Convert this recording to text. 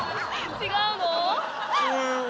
違うのね。